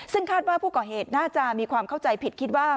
ซึ่งคาดว่าผู้ก่อเหตุน่าจะมีความเข้าใจผิดคิดว่า